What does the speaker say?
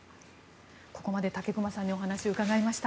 ここまで武隈さんにお話を伺いました。